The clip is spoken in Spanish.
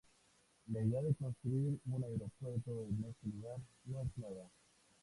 La idea de construir un aeropuerto en este lugar no es nueva.